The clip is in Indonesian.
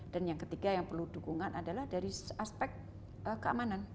dan yang ketiga yang perlu dukungan adalah dari aspek keamanan